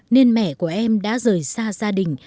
nên mẹ của em đã rời xa gia đình